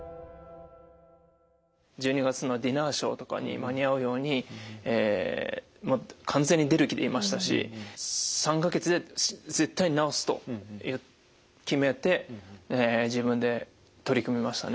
１２月のディナーショーとかに間に合うように完全に出る気でいましたし３か月で絶対に治すと決めて自分で取り組みましたね